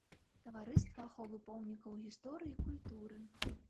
Таварыства аховы помнікаў гісторыі і культуры.